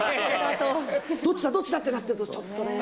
どっちだ、どっちだってなってると、ちょっとね。